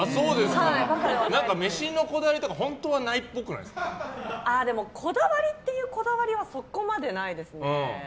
飯のこだわりとかでも、こだわりっていうこだわりはそこまでないですね。